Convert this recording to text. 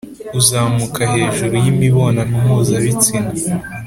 uzamuka hejuru yimibonano mpuzabitsina